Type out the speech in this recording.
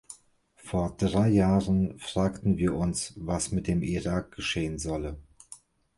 Vor drei Jahren fragten wir uns, was mit dem Irak geschehen solle.